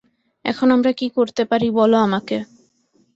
এখন আমরা কী করতে পারি বলো আমাকে।